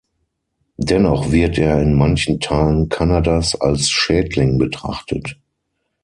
Dennoch wird er in manchen Teilen Kanadas als Schädling betrachtet.